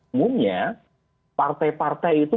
umumnya partai partai itu